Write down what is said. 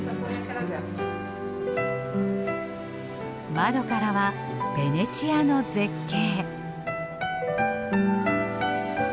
窓からはベネチアの絶景。